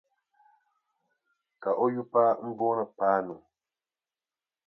Ka o yupaa m-booni Paanu.